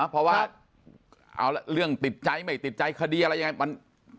เพราะว่าเอาเรื่องติดใจไม่ติดใจคดีอะไรยังไงมัน